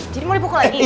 jadi mau dipukul lagi